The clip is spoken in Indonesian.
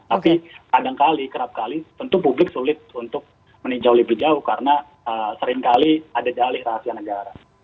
tapi kadangkali kerap kali tentu publik sulit untuk meninjau lebih jauh karena seringkali ada dalih rahasia negara